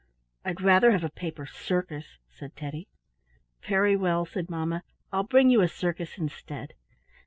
"I'd rather have a paper circus," said Teddy. "Very well," said mamma, "I'll bring you a circus instead."